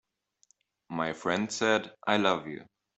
My friend said: "I love you.